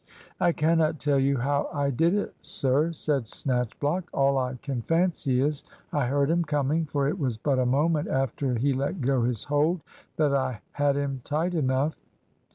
"I cannot tell you how I did it, sir," said Snatchblock. "All I can fancy is, I heard him coming, for it was but a moment after he let go his hold that I had him tight enough."